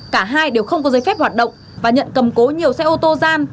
cả hai đều không có giấy phép hoạt động và nhận cầm cố nhiều xe ô tô giam